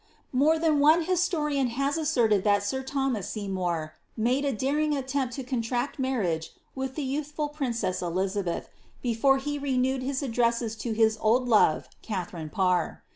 More than one historian' has asserted that sir Thomas Seymour made 1 daring attempt to contract marriage with the youthful princess Eliza beth, before he renewed his addresses to his old love, Katharine Parr.